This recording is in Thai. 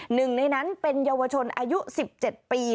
หนึ่งในนั้นเป็นเยาวชนอายุ๑๗ปี